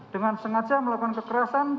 dengan sengaja melakukan kekerasan